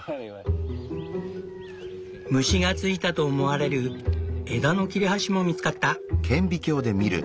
虫がついたと思われる枝の切れ端も見つかった。